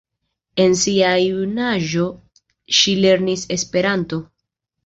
En sia junaĝo ŝi lernis Esperanton.